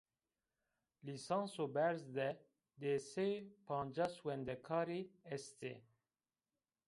Lîsanso berz de di sey pancas wendekarî est ê